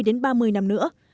đó là một lý do